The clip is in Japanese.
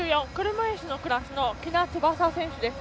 車いすのクラスの喜納翼選手です。